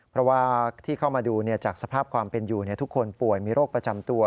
เพราะว่าที่เข้ามาดูจากสภาพความเป็นอยู่ทุกคนป่วยมีโรคประจำตัว